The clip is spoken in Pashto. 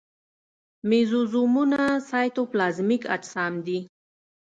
مېزوزومونه سایتوپلازمیک اجسام دي.